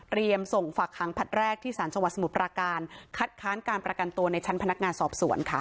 ส่งฝากหางผัดแรกที่สารจังหวัดสมุทรปราการคัดค้านการประกันตัวในชั้นพนักงานสอบสวนค่ะ